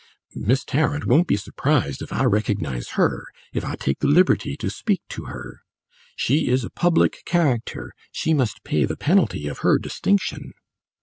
"Miss Tarrant won't be surprised if I recognise her if I take the liberty to speak to her. She is a public character; she must pay the penalty of her distinction."